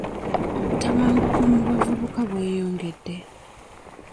Obutabanguko mu bavubuka bweyongedde .